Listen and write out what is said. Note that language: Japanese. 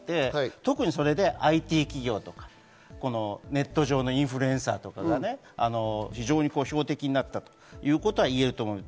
特にそれでＩＴ企業とか、ネット上のインフルエンサーとかが標的になったということがいえます。